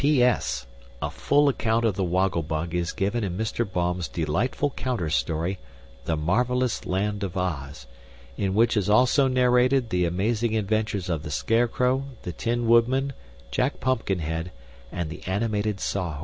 _A full account of the Woggle Bug is given in Mr. Baum's delightful counter story, THE MARVELOUS LAND OF OZ, in which is also narrated the amazing adventures of the Scarecrow, the Tin Woodman, Jack Pumpkinhead and the Animated Saw Horse.